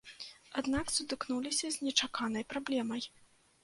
Аднак сутыкнуліся з нечаканай праблемай.